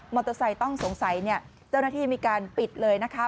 เตอร์ไซค์ต้องสงสัยเนี่ยเจ้าหน้าที่มีการปิดเลยนะคะ